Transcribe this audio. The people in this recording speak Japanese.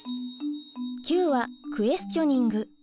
「Ｑ」はクエスチョニング。